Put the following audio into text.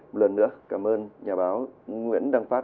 một lần nữa cảm ơn nhà báo nguyễn đăng phát